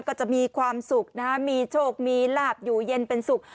ก็จะมีความสุขนะมีโชคมีลาบอยู่เย็นเป็นสุข